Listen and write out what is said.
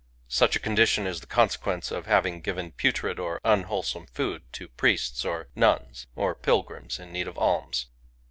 Such a condition is the consequence of having given putrid or unwholesome food to priests or nuns, or pilgrims in need of alms.